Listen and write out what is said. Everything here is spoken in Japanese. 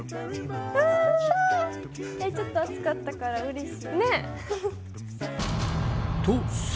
ちょっと暑かったからうれしい。